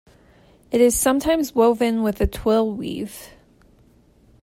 It is sometimes woven with a twill weave.